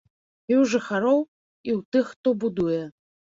І ў жыхароў, і ў тых, хто будуе.